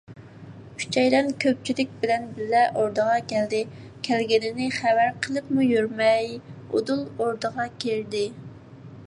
ئۈچەيلەن كۆپچىلىك بىلەن بىللە ئوردىغا كەلدى، كەلگىنىنى خەۋەر قىلىپمۇ يۈرمەي ئۇدۇل ئوردىغا كىردى.